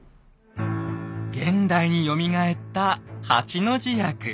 現代によみがえった「八之字薬」。